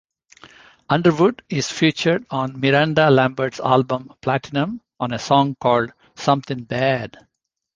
Underwood is featured on Miranda Lambert's album "Platinum", on a song called "Somethin' Bad".